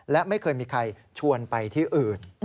และไม่เคยมีใครชวนไปที่อื่น